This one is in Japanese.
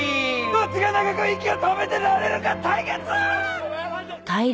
どっちが長く息を止めてられるか対決！